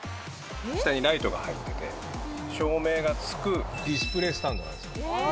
下にライトが入ってて、照明がつくディスプレイスタンドなんですよ。